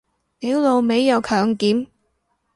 屌老味又強檢